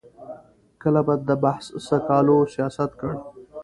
کله به د بحث سکالو سیاست کړ.